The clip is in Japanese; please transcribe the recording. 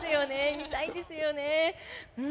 見たいですよね。